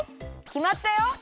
きまったよ。